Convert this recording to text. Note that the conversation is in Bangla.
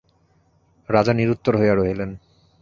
রাজা নিরুত্তর হইয়া রহিলেন।